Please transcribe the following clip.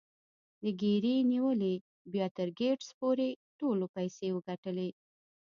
له ګيري نيولې بيا تر ګيټس پورې ټولو پيسې وګټلې.